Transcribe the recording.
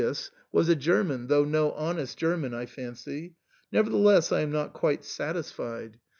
i84 TJ^E SAND'MAN, was a Grermaiiy though no honest Grerman, 1 fancy. Nevertheless I am not quite satisfied.